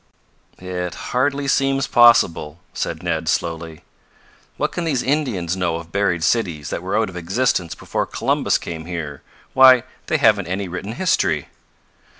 "It hardly seems possible," said Ned slowly. "What can these Indians know of buried cities that were out of existence before Columbus came here? Why, they haven't any written history."